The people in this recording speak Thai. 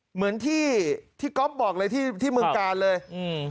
เหมือนที่ก๊อปบอกเลยที่เมืองกาดเลย